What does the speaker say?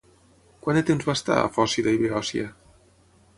Quant de temps va estar a Fòcida i Beòcia?